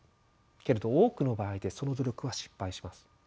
けれど多くの場合でその努力は失敗します。